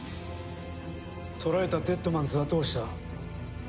捕らえたデッドマンズはどうした？